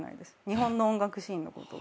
日本の音楽シーンのこと。